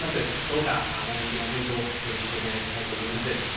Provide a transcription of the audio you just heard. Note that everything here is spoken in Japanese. どうか前向きな検討をよろしくお願いしたいと思います。